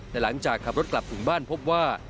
แต่หลังจากขับรถกลับถึงบ้านพบว่า